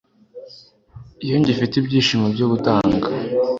Iyo ngifite byinshi byo gutanga